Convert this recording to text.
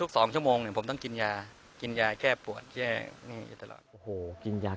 ก็ต้องกินยา